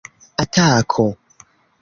atako